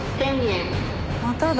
まただ。